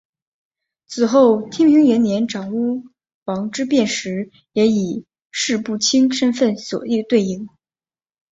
此后天平元年长屋王之变时也以式部卿身份所对应。